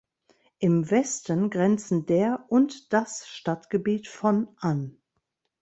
Im Westen grenzen der und das Stadtgebiet von an.